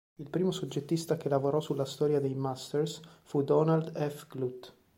Il primo soggettista che lavorò alla storia dei Masters fu Donald F. Glut.